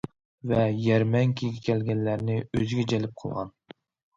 ۋە يەرمەنكىگە كەلگەنلەرنى ئۆزىگە جەلپ قىلغان.